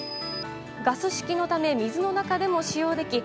ガス式のため水の中でも使用でき